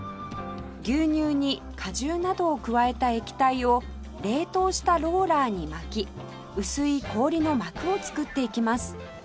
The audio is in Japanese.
牛乳に果汁などを加えた液体を冷凍したローラーに巻き薄い氷の膜を作っていきます